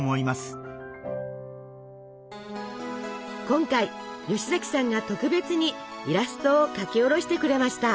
今回吉崎さんが特別にイラストを描き下ろしてくれました。